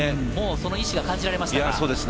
その意思が感じられました。